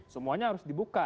semuanya harus dibuka